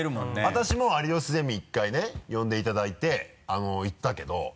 私も「有吉ゼミ」１回ね呼んでいただいて行ったけど。